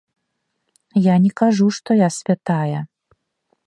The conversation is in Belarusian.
Я не кажу, што я святая.